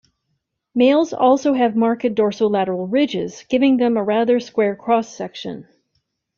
Males also have marked dorsolateral ridges, giving them a rather square cross-section.